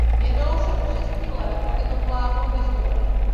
Jednalo se o šestý let raketoplánu Discovery.